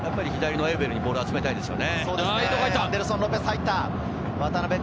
エウベルにボールを集めたいですよね。